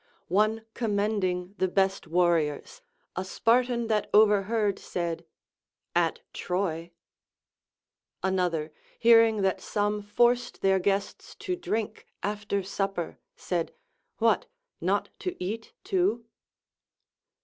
One commending the best war riors, a Spartan that overheard said, At Troy. Another, hearing that some forced their guests to drink after supper, said, What ! not to eat too